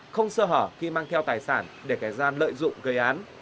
không sơ hở khi mang theo tài sản để kẻ gian lợi dụng gây án